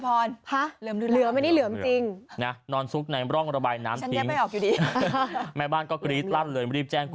พร้าห์เริ่มรืมเนี่ยอะไรเชียงรงระบายน้ำออกยังไงบ้านก็คริสลัดเลยรีบแจ้ง